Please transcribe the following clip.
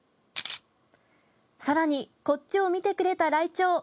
さらに、こっちを見てくれたライチョウ。